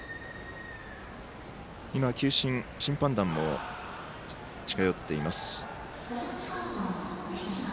球審、審判団も近寄っています。